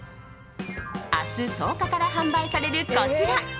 明日１０日から販売されるこちら。